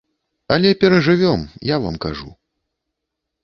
Але перажывём, я вам кажу.